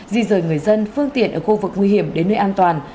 di rời người dân phương tiện ở khu vực nguy hiểm đến nơi an toàn